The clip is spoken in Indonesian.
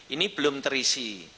ini belum terisi